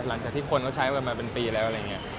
หลังจากที่คนเขาใช้กันมาเป็นปีแล้วอะไรอย่างนี้